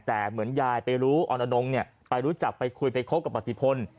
แต่เหมือนยายไปรู้ออนอนงไปรู้จักไปคุยไปคบกับปฏิพล